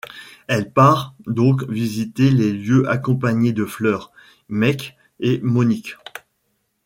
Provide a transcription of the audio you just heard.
Elle part donc visiter les lieux accompagnée de Fleur, Meike et Monique.